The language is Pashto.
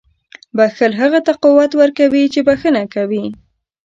• بښل هغه ته قوت ورکوي چې بښنه کوي.